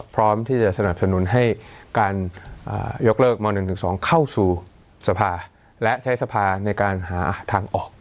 พร้อมที่จะสนับสนุนให้การยกเลิกม๑๑๒เข้าสู่สภาและใช้สภาในการหาทางออก